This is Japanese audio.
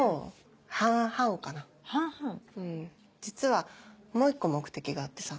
実はもう一個目的があってさ。